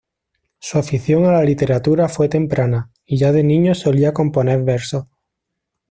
Su afición a la literatura fue temprana, y ya de niño solía componer versos.